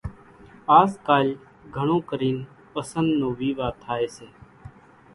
آزڪالِ گھڻون ڪرينَ پسنۮ نو ويوا ٿائيَ سي۔